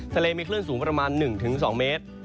ทะเลมีคลื่นสูงประมาณ๑๒เมตร